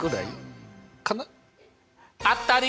当たり！